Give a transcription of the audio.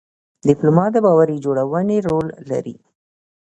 ډيپلومات د باور جوړونې رول لري.